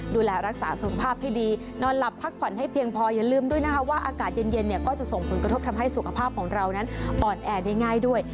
ดูแลรักษาสุขภาพให้ดีนอนหลับพักผ่อนให้เพียงพออย่าลืมด้วยนะคะว่าอากาศเย็นเนี่ยก็จะส่งผลกระทบทำให้สุขภาพของเรานั้นอ่อนแอได้ง่ายด้วย